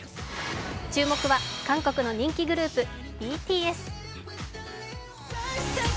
注目は韓国の人気グループＢＴＳ。